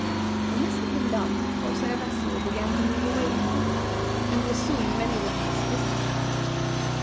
When this had been done, the corsair vessel began to move away from the other, and was soon many lengths distant from her.